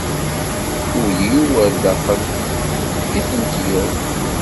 Ul-iw, ar daxel i tent-yuɣ.